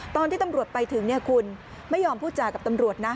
ตอนที่ตำรวจไปถึงคุณไม่ยอมพูดจากับตำรวจนะ